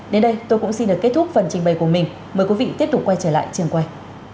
đến đây tôi cũng xin được kết thúc phần trình bày của mình mời quý vị tiếp tục quay trở lại trường quay